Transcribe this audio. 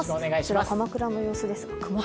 鎌倉の様子ですか？